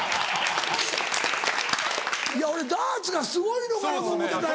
いや俺ダーツがすごいのかなと思てたんや。